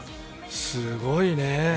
すごいね。